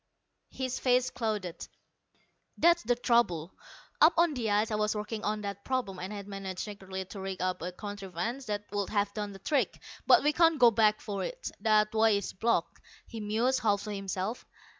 His face clouded. "That's the trouble. Up on the ice I was working on that problem, and had managed secretly to rig up a contrivance that would have done the trick. But we can't go back for it. That way is blocked." He mused, half to himself.